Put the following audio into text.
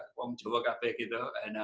pemcobaan kafe gitu